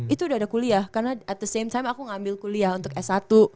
itu udah ada kuliah karena at the same time aku ngambil kuliah untuk s satu